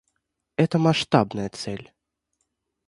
Это масштабная цель.